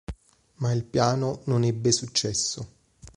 Ma il piano non ebbe successo.